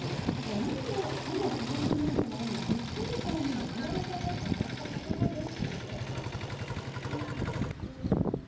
何もかも続かないと悩むブッツリさんに麦わらさんが語った言葉です。